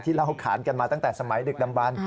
เล่าขานกันมาตั้งแต่สมัยดึกดำบัน